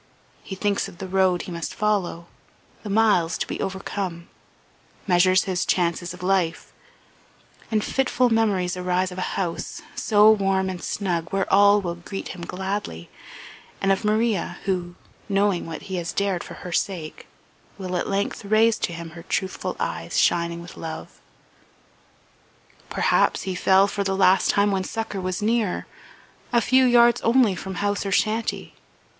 He thinks of the road he must follow, the miles to be overcome, measures his chances of life; and fitful memories arise of a house, so warm and snug, where all will greet him gladly; of Maria who, knowing what he has dared for her sake, will at length raise to him her truthful eyes shining with love. Perhaps he fell for the last time when succour was near, a few yards only from house or shanty.